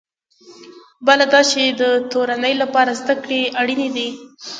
بله دا چې د تورنۍ لپاره زده کړې اړینې دي.